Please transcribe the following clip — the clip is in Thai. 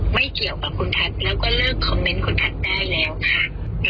ไม่เกี่ยวกับคุณแพทย์แล้วก็เลิกคอมเมนต์คุณแพทย์ได้แล้วค่ะ